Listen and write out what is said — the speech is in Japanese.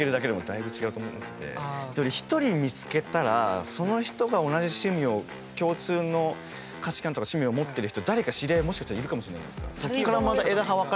一人見つけたらその人が共通の価値観とか趣味を持ってる人、誰か知り合いもしかしたらいるかもしれないじゃないですか。